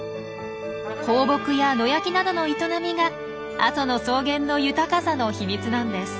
放牧や野焼きなどの営みが阿蘇の草原の豊かさの秘密なんです。